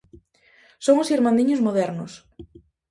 Son os irmandiños modernos.